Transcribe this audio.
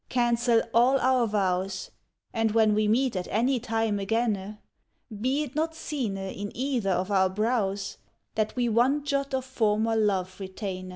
cancel all our vows; And when we meet at any time againe, Be it not seene in either of our brows, That we one jot of former love retaine.